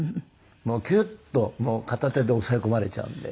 キュッと片手で押さえ込まれちゃうんで。